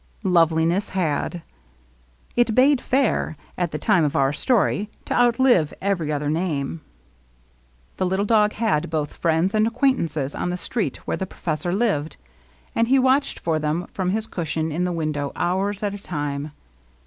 Loveliness had. It bade fair, at the time of our story, to out Uve every other name. 4 LOVELINESS. The little dog had both friends and acquaint ances on the street where the professor lived ; and he watched for them from his cushion in the win dow^ hours at a time.